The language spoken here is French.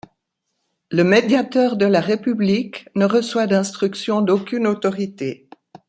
Le Médiateur de la République ne reçoit d’instruction d’aucune autorité.